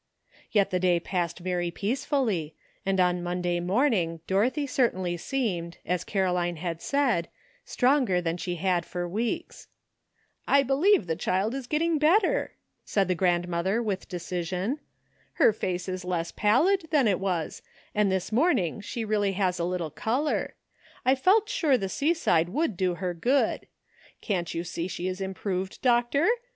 Yet the day passed very peacefully, and on Monday morning Dorothy certainly seemed, as Caroline had said, stronger than she had for weeks. "I believe the child is getting better," said the grandmother, with decision. "Her face is less pallid than it was, and this morning she really has a little color. I felt sure the seaside would do her good. Can't you see she is improved. Doctor?